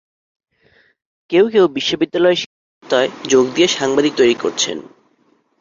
কেউ কেউ বিশ্ববিদ্যালয়ে শিক্ষকতায় যোগ দিয়ে সাংবাদিক তৈরি করছেন।